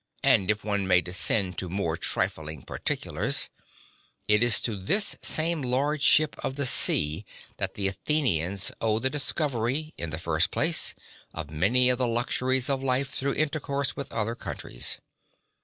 And if one may descend to more trifling particulars, it is to this same lordship of the sea that the Athenians owe the discovery, in the first place, of many of the luxuries of life through intercourse with other countries.